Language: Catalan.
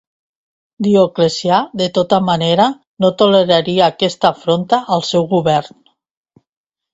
Dioclecià, de tota manera, no toleraria aquesta afronta al seu govern.